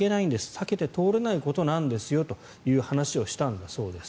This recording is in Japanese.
避けて通れないことなんですよという話をしたということです。